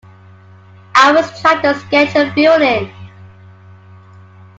I was trying to sketch a feeling.